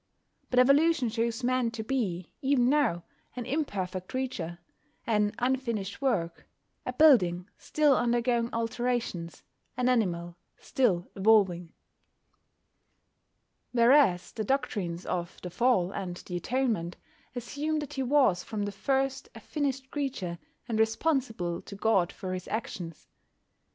But evolution shows Man to be, even now, an imperfect creature, an unfinished work, a building still undergoing alterations, an animal still evolving. Whereas the doctrines of "the Fall" and the Atonement assume that he was from the first a finished creature, and responsible to God for his actions.